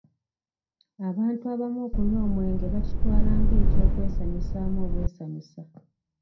Abantu abamu okunywa omwenge bakitwala nga eky'okwesanyusaamu obwesanyusa.